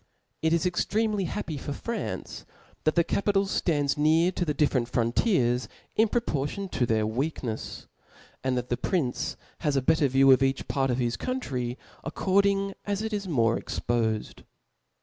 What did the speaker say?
It is extremely happy for France, that the capi tal ftands near to the difFerent frontiers in propor tion to their wcakncfs ; and the prince has a better view of each part of his country according as it is more expofed.